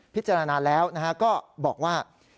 พิจารณาแล้วก็บอกว่า